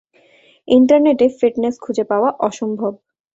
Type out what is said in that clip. ইন্টারনেটে ফিটনেস খুঁজে পাওয়া অসম্ভব।